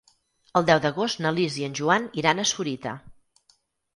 El deu d'agost na Lis i en Joan iran a Sorita.